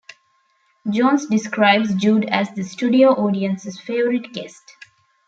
Jones describes Jude as the studio audience's favorite guest.